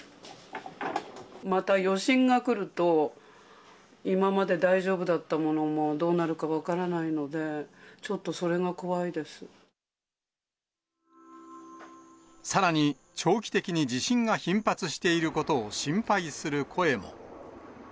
また余震が来ると、今まで大丈夫だったものも、どうなるか分からないので、ちょっとそれが怖さらに、長期的に地震が頻発していることを心配する声も。